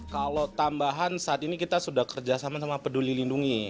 kalau tambahan saat ini kita sudah kerjasama sama peduli lindungi